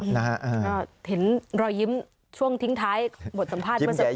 เห็นล่อยยิ้มช่วงทิ้งท้ายบทสัมภาษณ์มันจะพูดนี่นะคะ